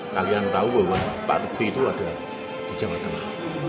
kalian tahu bahwa pak teguh itu ada di jawa tengah